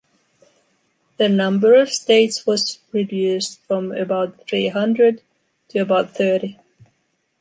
The number of states was reduced from about three hundred to about thirty.